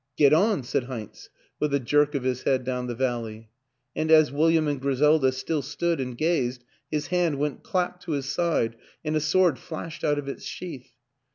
" Get on," said Heinz with a jerk of his head down the valley; and as William and Griselda still stood and gazed his hand went clap to his side and a sword flashed out of its sheath.